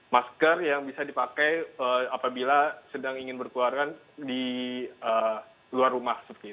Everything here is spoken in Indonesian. masker yang bisa dipakai apabila sedang ingin berkeluarga di luar rumah